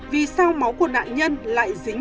vì sao máu của nạn nhân hoàng thị phượng